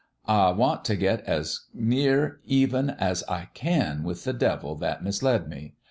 ' I want t' get as near even as I can with the devil that misled me.